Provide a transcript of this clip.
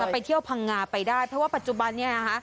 ไปเที่ยวพังงาไปได้เพราะว่าปัจจุบันนี้นะคะ